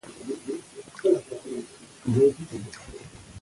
د افغانستان طبیعت له بېلابېلو ډولو ځمکه څخه جوړ شوی دی.